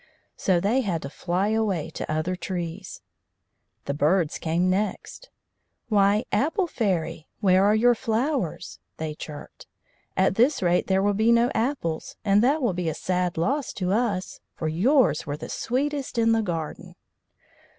So they had to fly away to other trees. The birds came next. "Why, Apple Fairy, where are your flowers?" they chirped. "At this rate there will be no apples, and that will be a sad loss to us, for yours were the sweetest in the garden."